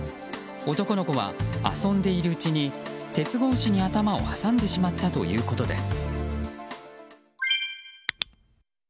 男の子は遊んでいるうちに鉄格子に頭を挟んでしまったということです。